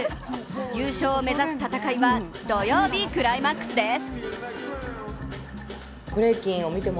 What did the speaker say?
優勝を目指す戦いは土曜日クライマックスです